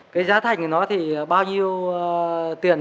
cái giá thành của nó thì bao nhiêu tiền